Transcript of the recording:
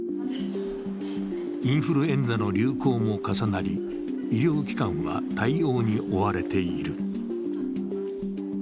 インフルエンザの流行も重なり、医療機関は対応に追われている。